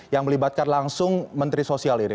yang melibatkan langsung menteri sosial ini